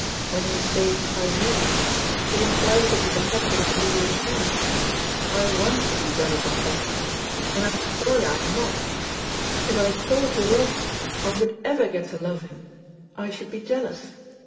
When you say I needn't be, it implies that you are not going to do your share. I want to be jealous of Chesterford, and I am sorry I am not. If I thought you loved him, or would ever get to love him, I should be jealous.